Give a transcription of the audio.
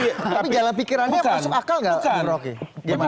tapi jalan pikirannya masuk akal nggak